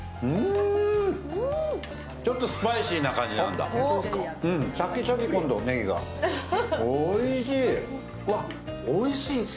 うわっ、おいしい。